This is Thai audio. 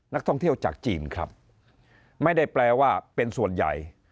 นักท่องเที่ยวจากจีนครับไม่ได้แปลว่าเป็นส่วนใหญ่